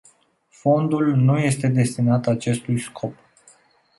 Fondul nu este destinat acestui scop.